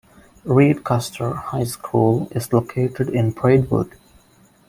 Reed-Custer High School is located in Braidwood.